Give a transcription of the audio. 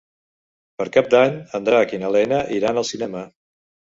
Per Cap d'Any en Drac i na Lena iran al cinema.